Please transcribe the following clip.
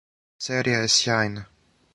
Серија је сјајна!